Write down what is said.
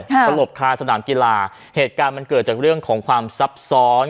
สลบคาสนามกีฬาเหตุการณ์มันเกิดจากเรื่องของความซับซ้อน